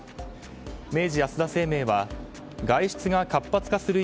明治安田生命は外出が活発化する